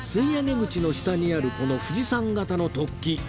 口の下にあるこの富士山形の突起